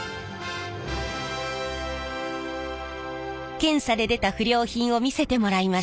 検査で出た不良品を見せてもらいました。